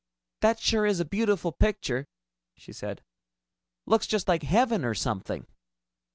"That sure is a beautiful picture," she said. "Looks just like heaven or something."